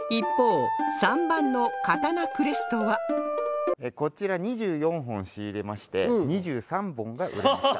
一方こちら２４本仕入れまして２３本が売れました。